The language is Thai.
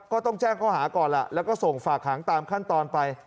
ก็ต้องแจ้งข้อหาก่อนล่ะแล้วก็ส่งฝากหางตามขั้นตอนไป